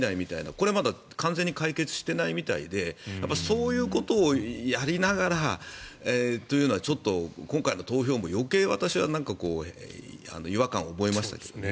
これはまだ完全に解決していないみたいでそういうことをやりながらというのはちょっと今回の投票も余計、私は違和感を覚えました。